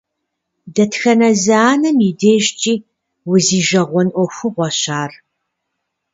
Дэтхэнэ зы анэм и дежкӀи узижэгъуэн Ӏуэхугъуэщ ар.